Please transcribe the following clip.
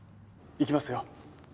行きますよ。